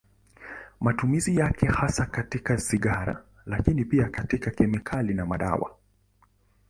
Matumizi yake ni hasa katika sigara, lakini pia katika kemikali na madawa.